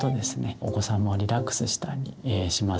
お子さんもリラックスしたりします。